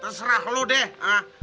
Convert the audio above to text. terserah lu deh ha